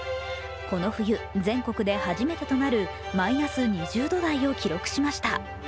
この冬全国で初めてとなるマイナス２０度台を記録しました。